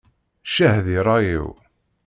Ccah di ṛṛay-iw!